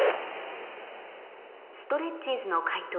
ストレッチーズの解答